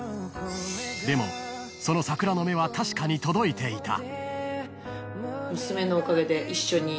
［でもその桜の芽は確かに届いていた］